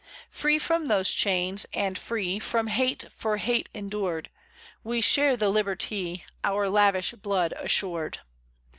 Free from those chains, and free From hate for hate endured, We share the liberty Our lavish blood assured.